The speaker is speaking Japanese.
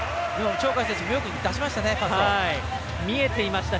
鳥海選手もよく出しましたね。